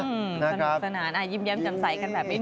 สนุกสนานยิ้มแย้มจำใสกันแบบนี้